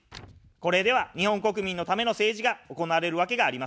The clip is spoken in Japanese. これでは日本国民のための政治が行われるわけがありません。